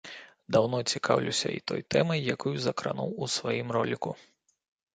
Даўно цікаўлюся і той тэмай, якую закрануў у сваім роліку.